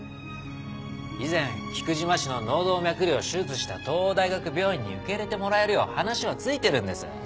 以前菊島氏の脳動脈瘤を手術した東央大学病院に受け入れてもらえるよう話はついてるんです。